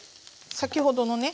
先ほどのね